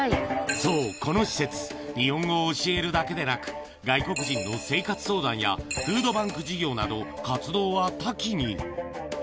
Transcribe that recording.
そう、この施設、日本語を教えるだけでなく、外国人の生活相談や、フードバンク事業など、活動は多岐に。